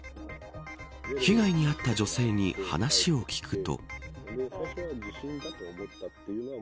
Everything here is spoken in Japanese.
被害に遭った女性に話を聞くと。